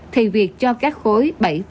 thì việc cho các khối bảy tám một mươi một mươi một